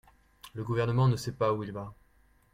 Ce gouvernement ne sait pas où il va.